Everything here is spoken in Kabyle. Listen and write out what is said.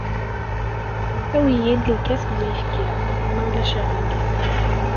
Awi-d lkas n uyefki, ma ulac aɣilif.